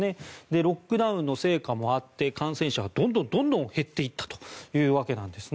ロックダウンの成果もあって感染者はどんどん減っていったというわけですね。